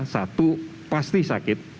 satu pasti sakit